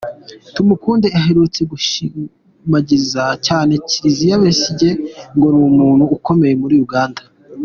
Tumukunde aherutse gushimagiza cyane Kiiza Besigye ngo ni umuntu ukomeye muri Uganda.